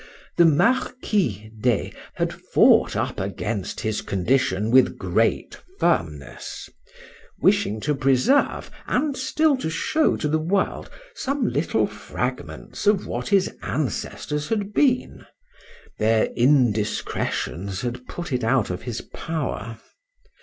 The Marquis d'E— had fought up against his condition with great firmness; wishing to preserve, and still show to the world, some little fragments of what his ancestors had been;—their indiscretions had put it out of his power.